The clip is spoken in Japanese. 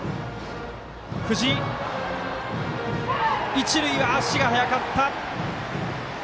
一塁は足が速かった！